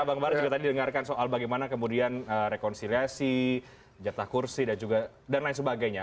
bang baris juga tadi dengarkan soal bagaimana kemudian rekonsiliasi jatah kursi dan lain sebagainya